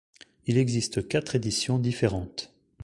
Il existe quatre éditions différentes.